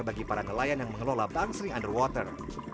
bagi para nelayan yang mengelola bang sling underwater